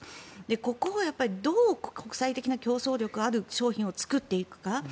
ここをどう国際的な競争力がある商品を作っていくか。